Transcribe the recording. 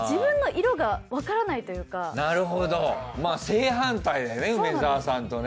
まあ正反対だね梅沢さんとね。